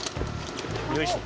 よいしょ。